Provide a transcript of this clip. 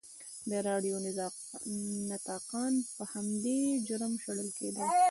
د راډیو نطاقان به په همدې جرم شړل کېدل.